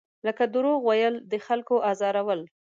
لکه دروغ ویل، د خلکو ازارول.